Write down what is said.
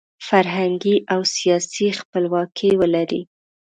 فرهنګي او سیاسي خپلواکي ولري.